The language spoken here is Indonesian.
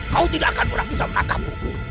kau tidak akan pernah bisa menangkapmu